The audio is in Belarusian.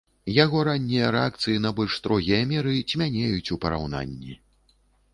Яго раннія рэакцыі на больш строгія меры цьмянеюць ў параўнанні.